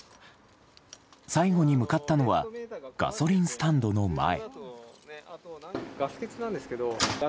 最後に向かったのはガソリンスタンドの前。